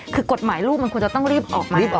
คือกฎหมายลูกมันควรจะต้องรีบออกมาก่อน